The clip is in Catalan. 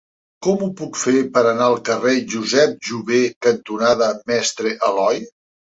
Com ho puc fer per anar al carrer Josep Jover cantonada Mestre Aloi?